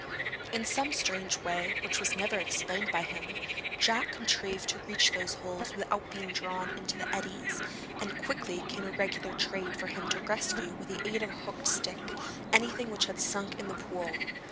In some strange way which was never explained by him, Jack contrived to reach these holes without being drawn into the eddies, and it quickly became a regular trade with him to rescue with the aid of a hooked stick anything which had sunk in the pool.